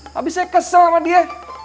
tapi saya kesel sama dia